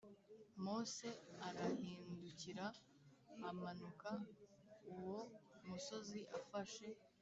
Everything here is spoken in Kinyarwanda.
Mose arahindukira amanuka uwo musozi afashe